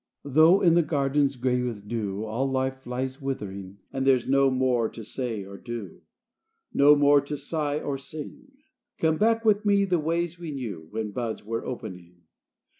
XVI 'Though in the garden, gray with dew, All life lies withering, And there's no more to say or do, No more to sigh or sing, Come back with me the ways we knew When buds were opening.